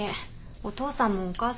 お父さんもお母さんも。